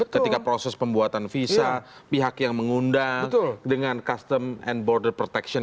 ketika proses pembuatan visa pihak yang mengundang dengan custom and border protection